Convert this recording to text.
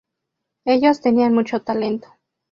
Ellos tenían mucho talento.